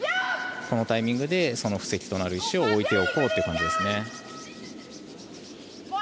このタイミングで布石となる石を置いておこうという感じですね。